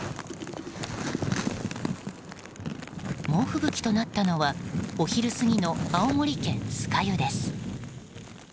猛吹雪となったのはお昼過ぎの青森県酸ヶ湯です。